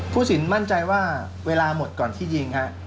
สินมั่นใจว่าเวลาหมดก่อนที่ยิงฮะ